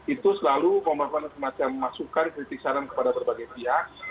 itu selalu melakukan semacam masukan kritik saran kepada berbagai pihak